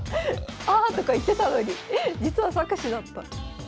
「あ！」とか言ってたのに実は策士だった。